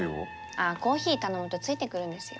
ああコーヒー頼むとついてくるんですよ。